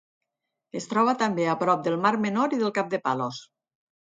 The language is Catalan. Es troba també a prop del Mar Menor i del cap de Palos.